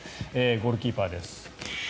ゴールキーパーです。